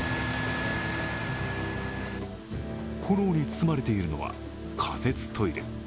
炎に包まれているのは仮設トイレ。